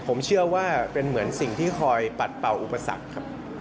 เป็นเหมือนสิ่งที่คอยปัดเป่าอุปสรรคครับ